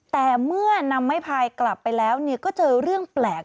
แต่เมื่อนำไม้พายกลับไปแล้วก็เจอเรื่องแปลก